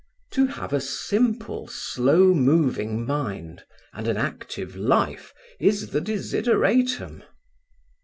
"To have a simple, slow moving mind and an active life is the desideratum."